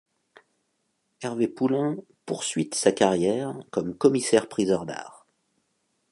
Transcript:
Hervé Poulain poursuite sa carrière comme commissaire-priseur d'art.